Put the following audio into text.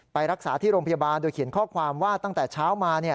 ไปรักษาที่โรงพยาบาลโดยเขียนข้อความว่าตั้งแต่เช้ามา